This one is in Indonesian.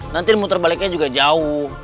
nanti muter baliknya juga jauh